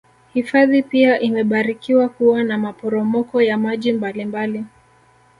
Hifadhi pia imebarikiwa kuwa na maporopoko ya maji mbali mbali